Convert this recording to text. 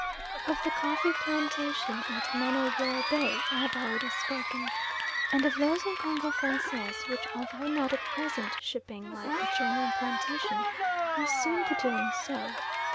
Of the coffee plantation at Man o' War Bay I have already spoken, and of those in Congo Francais, which, although not at present shipping like the German plantation, will soon be doing so.